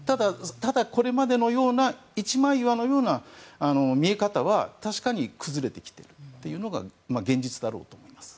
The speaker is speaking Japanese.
ただ、これまでのような一枚岩のような見え方は確かに崩れてきているというのが現実だろうと思います。